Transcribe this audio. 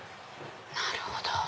なるほど。